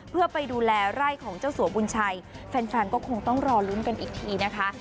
เพื่อไปดูแลไร่ของเจ้าสัวบุญชัยแฟนก็คงต้องรอลุ้นกันอีกทีนะคะ